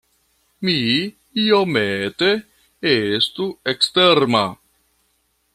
Mi iomete estu eksterma.